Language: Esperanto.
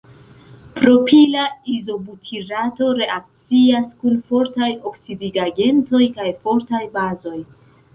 Propila izobutirato reakcias kun fortaj oksidigagentoj kaj fortaj bazoj.